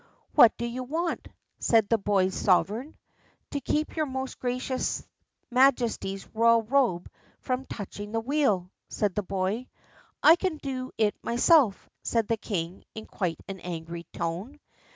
"What do you want?" said the boy's sovereign. "To keep your most gracious Majesty's royal robe from touching the wheel," said the boy. "I can do it myself," said the king, in quite an angry tone.